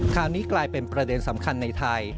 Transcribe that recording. คราวนี้กลายเป็นประเด็นสำคัญในไทย